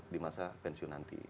di masa pensiun nanti